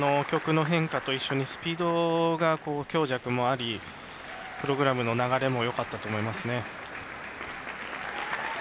曲の変化と一緒にスピードが強弱もありプログラムの流れもよかったと思いますね。